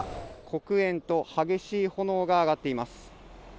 黒煙と激しい炎が上がっています。